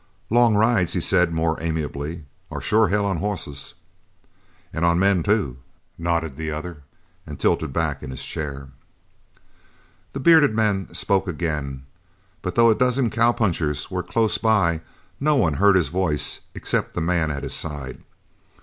"Long rides," he said more amiably, "are sure hell on hosses." "And on men, too," nodded the other, and tilted back in his chair. The bearded man spoke again, but though a dozen cowpunchers were close by no one heard his voice except the man at his side.